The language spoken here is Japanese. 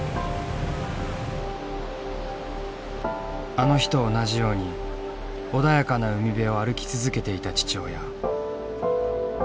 あの日と同じように穏やかな海辺を歩き続けていた父親。